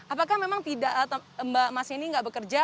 apakah memang tidak mbak mas yeni nggak bekerja